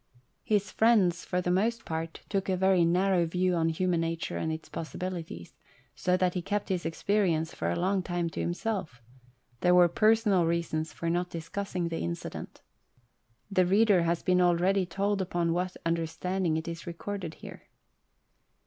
His friends, for the most part, took a very narrow view of human nature and its possibilities, so that he kept his experience, for a long time, to himself ; there were personal reasons for not discussing the incident. The reader has been already told upon what under standing it is recorded here.